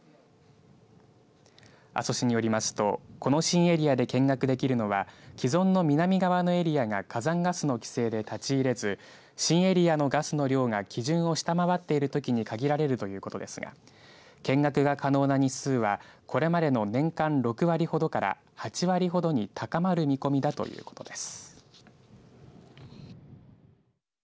阿蘇市によりますとこの新エリアで見学できるのは既存の南側のエリアが火山ガスの規制で立ち入れず新エリアのガスの量が基準を下回っているときに限られるということですが見学が可能な日数はこれまでの年間６割ほどから８割ほどに高まる見込みだということです。